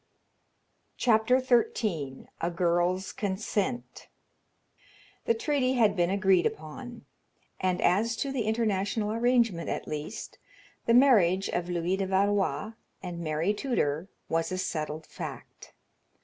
CHAPTER XIII A Girl's Consent The treaty had been agreed upon, and as to the international arrangement, at least, the marriage of Louis de Valois and Mary Tudor was a settled fact.